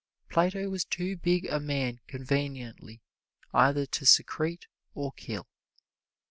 Plato was too big a man conveniently either to secrete or kill.